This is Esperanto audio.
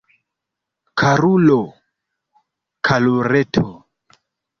Karulo, karuleto!